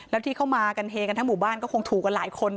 แล้วที่เข้ามากันเฮกันทั้งหมู่บ้านก็คงถูกกันหลายคน